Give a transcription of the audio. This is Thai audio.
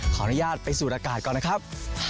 ขออนุญาตไปสูดอากาศก่อนนะครับ